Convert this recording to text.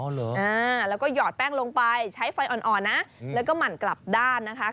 แล้วก็หยอดแป้งลงไปใช้ไฟอ่อนนะแล้วก็หมั่นกลับด้านนะคะ